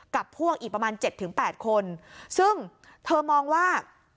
กับพวกอีกประมาณเจ็ดถึงแปดคนซึ่งเธอมองว่า